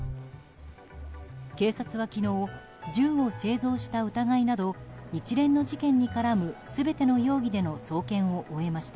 警察は、昨日銃を製造した疑いなど一連の事件に絡む全ての容疑での送検を終えました。